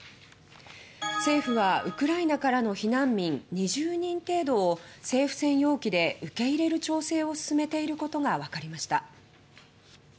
政府はウクライナからの避難民２０人程度を政府専用機で受け入れる調整を進めていることがわかりました。